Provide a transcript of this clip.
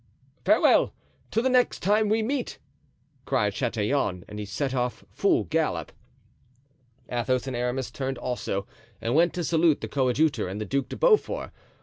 "Farewell, till the next time we meet," cried Chatillon, and he set off, full gallop. Athos and Aramis turned also and went to salute the coadjutor and the Duc de Beaufort.